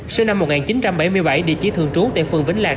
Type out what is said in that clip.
sinh năm một nghìn chín trăm bảy mươi bảy địa chỉ thường trú tại phường vĩnh lạc